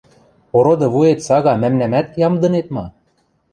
– Ороды вует сага мӓмнӓмӓт ямдынет ма?